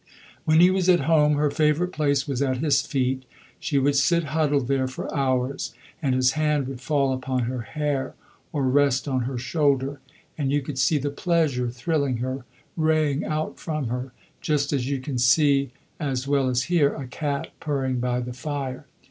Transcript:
When he was at home her favourite place was at his feet. She would sit huddled there for hours, and his hand would fall upon her hair or rest on her shoulder; and you could see the pleasure thrilling her, raying out from her just as you can see, as well as hear, a cat purring by the fire.